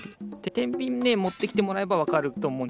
てんびんねもってきてもらえばわかるとおもうんですよ。